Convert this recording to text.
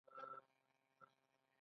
سړه شربت د دوبی سړښت راولي